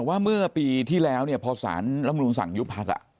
แต่ว่าเมื่อปีที่แล้วพศรังรุนสังยุพรรค